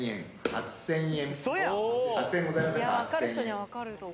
８，０００円。